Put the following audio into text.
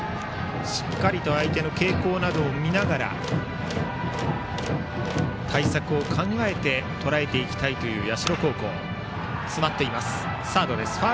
しっかりと相手の傾向などを見ながら対策を考えてとらえていきたいという社高校。